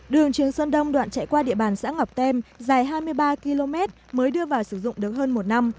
đường trường sơn đông đoạn chạy qua địa bàn xã ngọc tem dài hai mươi ba km mới đưa vào sử dụng được hơn một năm